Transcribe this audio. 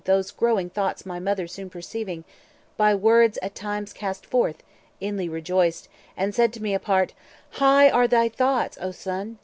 These growing thoughts my mother soon perceiving, By words at times cast forth, inly rejoiced, And said to me apart, 'High are thy thoughts, O Son!